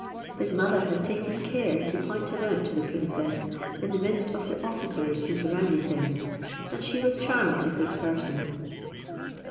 His mother had taken care to point him out to the princess, in the midst of the officers who surrounded him, and she was charmed with his person.